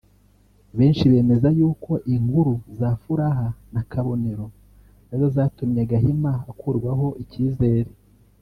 Benshi bemeza yuko inkuru za Furaha na Kabonero arizo zatumye Gahima akurwaho icyizere